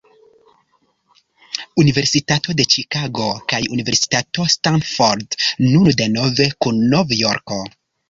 Universitato de Ĉikago kaj Universitato Stanford, nun denove kun Nov-Jorko.